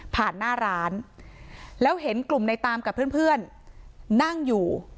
หน้าร้านแล้วเห็นกลุ่มในตามกับเพื่อนนั่งอยู่